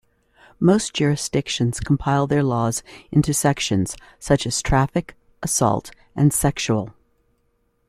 Most jurisdictions compile their laws into sections, such as traffic, assault, and sexual.